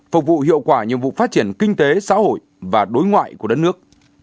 phục vụ hiệu quả nhiệm vụ phát triển kinh tế xã hội và đối ngoại của đất nước